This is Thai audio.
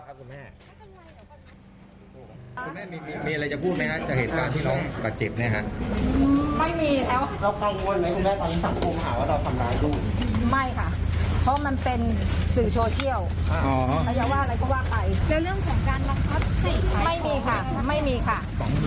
อ๋ออย่าว่าอะไรก็ว่าไปแต่เรื่องแข่งการนะครับไม่มีค่ะไม่มีค่ะ